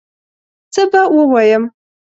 څه به ووایم